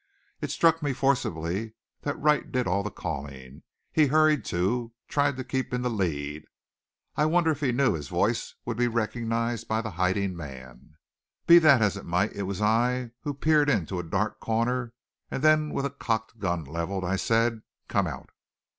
It struck me forcibly that Wright did all the calling. He hurried, too, tried to keep in the lead. I wondered if he knew his voice would be recognized by the hiding man. Be that as it might, it was I who peered into a dark corner, and then with a cocked gun leveled I said: "Come out!"